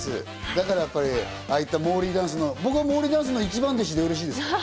だから、ああいったモーリーダンスの、僕はモーリーダンスの一番弟子でよろしいですか？